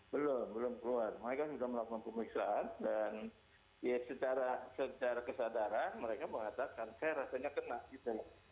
belum belum keluar mereka sudah melakukan pemeriksaan dan ya secara kesadaran mereka mengatakan saya rasanya kena gitu